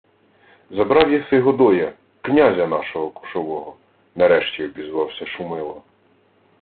— Забрав єси Годоя, князя нашого кошового, — нарешті обізвався Шумило.